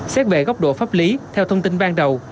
xét về góc độ pháp lý theo thông tin ban đầu